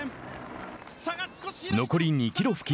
残り２キロ付近。